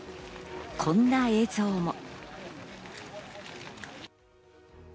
こんな映像も。